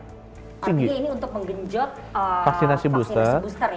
artinya ini untuk menggenjot vaksinasi booster ya